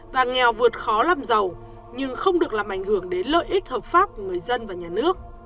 và nghèo vượt khó làm giàu nhưng không được làm ảnh hưởng đến lợi ích hợp pháp của người dân và nhà nước